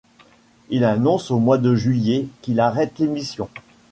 Il annonce au mois de juillet qu'il arrête l'émission.